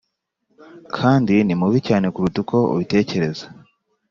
kandi ni mubi cyane kuruta uko ubitekereza